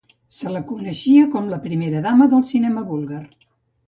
Se la coneixia com la primera dama del cinema búlgar.